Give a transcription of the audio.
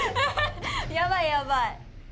やばいやばい。